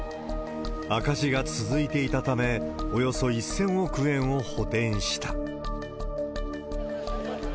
赤字が続いていたため、およそ１０００億円を補填した。